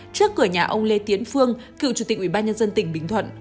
trước cửa nhà ông lê tiến phương cựu chủ tịch ubnd tỉnh bình thuận